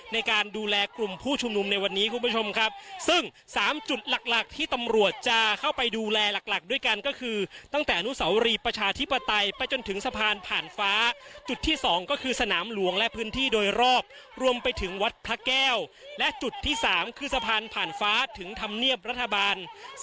ในการดูแลกลุ่มผู้ชุมนุมในวันนี้คุณผู้ชมครับซึ่งสามจุดหลักหลักที่ตำรวจจะเข้าไปดูแลหลักหลักด้วยกันก็คือตั้งแต่อนุสาวรีประชาธิปไตยไปจนถึงสะพานผ่านฟ้าจุดที่๒ก็คือสนามหลวงและพื้นที่โดยรอบรวมไปถึงวัดพระแก้วและจุดที่๓คือสะพานผ่านฟ้าถึงธรรมเนียบรัฐบาล